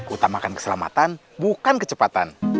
utamakan keselamatan bukan kecepatan